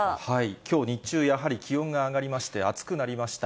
きょう日中、やはり気温が上がりまして、暑くなりました。